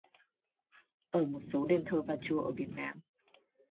ở một số đền thờ và chùa ở Việt Nam